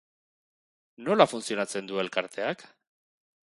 Nola funtzionatzen du elkarteak?